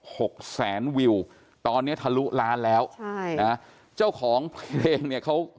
หกแสนวิวตอนเนี้ยทะลุล้านแล้วใช่นะเจ้าของเพลงเนี่ยเขา